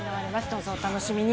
どうぞお楽しみに。